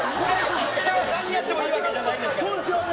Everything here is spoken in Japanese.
何やってもいいわけじゃないですからね。